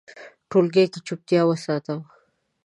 ټولګي کې چوپتیا وساتم.